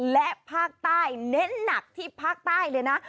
และภาคใต้เน้นหนักที่ภาคใต้เลยนะ